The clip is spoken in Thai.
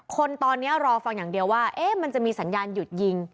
คนตอนนี้รอฟังอย่างเดียวว่ามันจะมีสัญญาณหยุดยิง